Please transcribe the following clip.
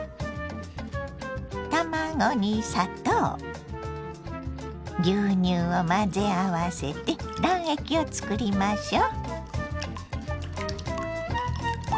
卵に砂糖牛乳を混ぜ合わせて卵液を作りましょ。